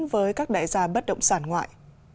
với các đại gia bất động sản ngoại